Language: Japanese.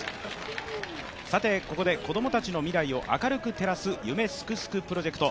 ここで子供たちの未来を明るく照らす夢すくすくプロジェクト。